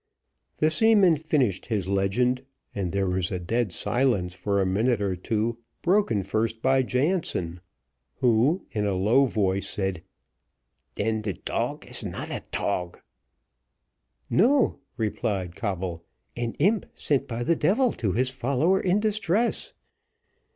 The seaman finished his legend, and there was a dead silence for a minute or two, broken first by Jansen, who in a low voice said, "Then te tog is not a tog." "No," replied Coble, "an imp sent by the devil to his follower in distress."